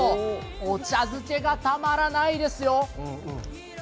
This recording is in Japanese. お茶漬けがたまらないですよ。